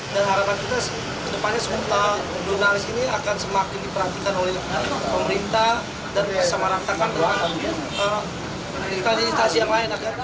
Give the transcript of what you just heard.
dan harapan kita ke depannya seumur tahun dunalis ini akan semakin diperhatikan oleh pemerintah dan bersama rakyat rakyat dengan ekonomi dan instansi yang lain